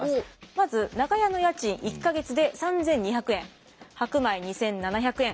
まず長屋の家賃１か月で３，２００円白米２，７００円